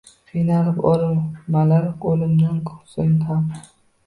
Qiynalib o’rmalar — o’limdan so’ng ham